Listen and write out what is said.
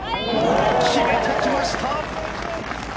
決めてきました！